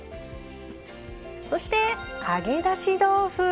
そして、揚げだし豆腐。